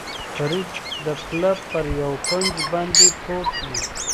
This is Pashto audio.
فرید د پله پر یوه کونج باندې پروت و.